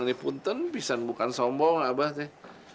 ini pun tentu bisa bukan sombong abah